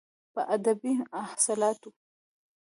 په ادبي اصلاحاتو